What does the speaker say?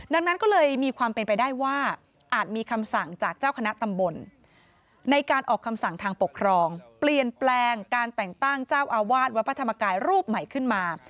ดังนั้นก็เลยมีความเป็นไปได้ว่าอาจมีคำสั่งจากเจ้าคณะตำบลในการออกคำสั่งทางปกครองเปลี่ยนแปลงการแต่งตั้งเจ้าอาวาสวัดพระธรรมกายรูปใหม่ขึ้นมา